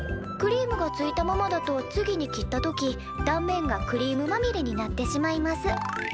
クリームがついたままだと次に切った時断面がクリームまみれになってしまいます。